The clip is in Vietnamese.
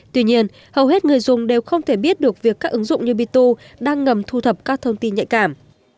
tuy nhiên hầu hết người dùng đều không thể biết được việc các ứng dụng như betho đang ngầm thu thập các thông tin nhạy cảm